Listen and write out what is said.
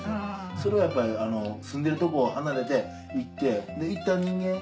それはやっぱり住んでる所を離れて行って行った人間。